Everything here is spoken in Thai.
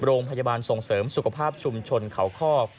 โรงพยาบาลส่งเสริมสุขภาพชุมชนเขาคอก